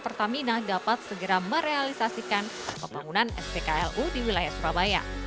pertamina dapat segera merealisasikan pembangunan spklu di wilayah surabaya